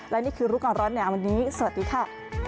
และนี่คือรู้ก่อนร้อนหนาวันนี้สวัสดีค่ะ